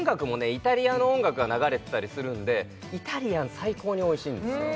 イタリアの音楽が流れてたりするんでイタリアン最高においしいんですよ